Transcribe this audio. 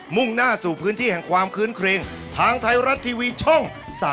มุ่งหน้าสู่พื้นที่ของความเคริ้นเคร่ง